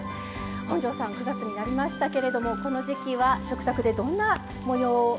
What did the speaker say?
本上さん９月になりましたけれどもこの時期は食卓でどんなもようでしょうか？